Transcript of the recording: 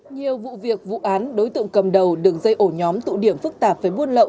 nhiều vụ việc vụ án đối tượng cầm đầu đường dây ổ nhóm tụ điểm phức tạp với buôn lậu